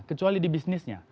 kecuali di bisnisnya